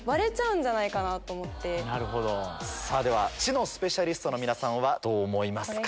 さぁでは知のスペシャリストの皆さんはどう思いますか？